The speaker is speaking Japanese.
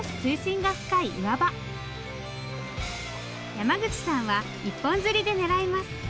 山口さんは一本釣りで狙います。